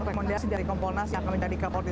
komponasi dari komponasi yang kami tadi kapolri